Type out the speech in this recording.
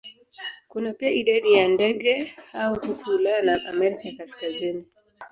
Kuna pia idadi ya ndege hao huko Ulaya na Amerika ya Kaskazini.